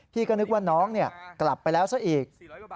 ก็นึกว่าน้องกลับไปแล้วซะอีก